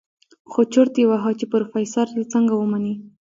خو چورت يې وهه چې په پروفيسر يې څنګه ومني.